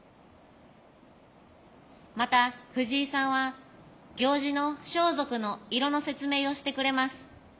また藤井さんは行司の装束の色の説明をしてくれます。